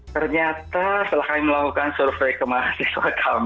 ternyata setelah kami melakukan survei ke mahasiswa kami